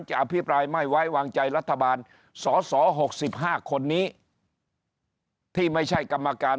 อภิปรายไม่ไว้วางใจรัฐบาลสส๖๕คนนี้ที่ไม่ใช่กรรมการ